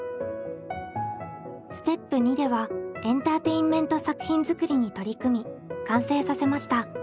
ステップ２ではエンターテインメント作品作りに取り組み完成させました。